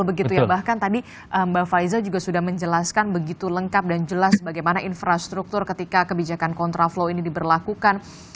begitu ya bahkan tadi mbak faiza juga sudah menjelaskan begitu lengkap dan jelas bagaimana infrastruktur ketika kebijakan kontraflow ini diberlakukan